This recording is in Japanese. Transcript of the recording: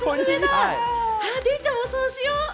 デイちゃんもそうしよ！